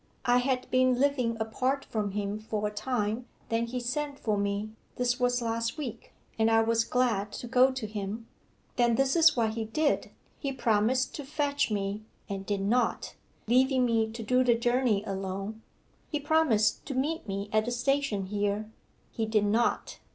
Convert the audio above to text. I had been living apart from him for a time then he sent for me (this was last week) and I was glad to go to him. Then this is what he did. He promised to fetch me, and did not leaving me to do the journey alone. He promised to meet me at the station here he did not.